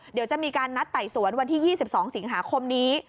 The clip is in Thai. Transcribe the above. เดี๋ยวจะมีการนัดไต่สวนวันที่๒๒สิงหาคมนี้